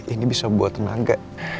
ini bisa buat tenaga